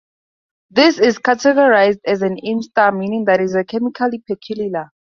This is categorized as an Am star, meaning that it is a chemically peculiar.